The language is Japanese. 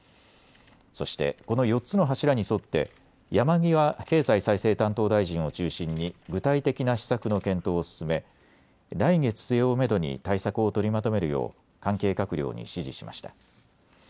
そして、この４つの柱に沿って山際経済再生担当大臣を中心に具体的な施策の検討を進め来月末をめどに対策を取りまとめるよう関係閣僚に指示しました。